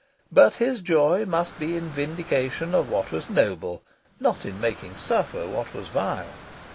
But his joy must be in vindication of what was noble, not in making suffer what was vile.